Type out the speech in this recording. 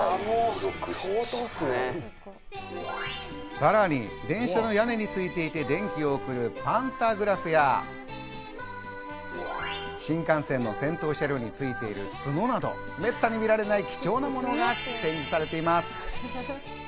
さらに電車の屋根についていて電気を送るパンタグラフや、新幹線の先頭車両についているツノなど、めったに見られない貴重なものが展示されています。